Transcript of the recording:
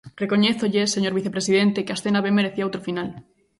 Recoñézolle, señor vicepresidente, que a escena ben merecía outro final.